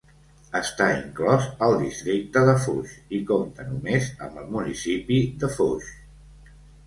Està inclòs al districte de Foix i compta només amb el municipi de Foix.